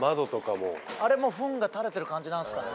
あれもうフンが垂れてる感じなんすかね。